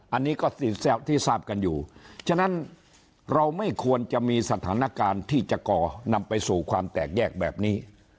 อันนี้ก็ที่ทราบกันอยู่ฉะนั้นเราไม่ควรจะมีสถานการณ์ที่จะก่อนำไปสู่ความแตกแยกแบบนี้